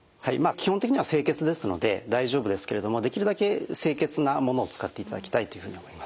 基本的には清潔ですので大丈夫ですけれどもできるだけ清潔なものを使っていただきたいというふうに思います。